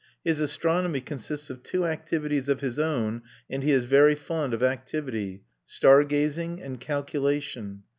His astronomy consists of two activities of his own (and he is very fond of activity): star gazing and calculation.